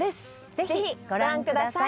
ぜひご覧ください